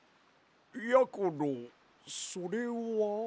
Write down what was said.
やころそれは？